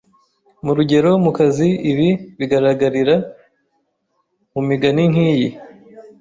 mu ugerero, mukazi Ibi bigaragarira mu migani nk’iyi: